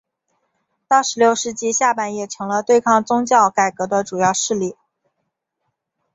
到十六世纪下半叶成了对抗宗教改革的主要势力。